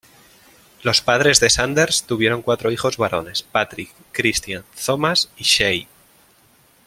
Los padres de Sanders tuvieron cuatro hijos varones, Patrick, Christian, Thomas y Shae.